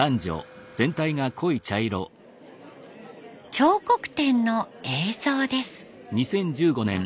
彫刻展の映像です。